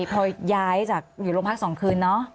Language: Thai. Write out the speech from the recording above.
พอย้ายจากอยู่โรงพัก๒คืนเนอะ